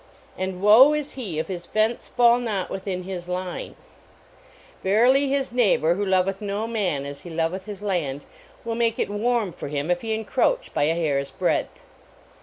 And woe is he if his fence fall not within his line. Verily his neighbor, who loveth no man as he loveth his land, will 140 A NEIGHBORLY NEIGHBORHOOD make it warm for him if he encroach by a hair s breadth.